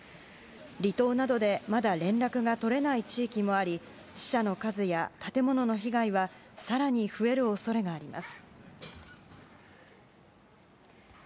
離島などでまだ連絡が取れない地域もあり死者の数や建物の被害は更に増える恐れがあります。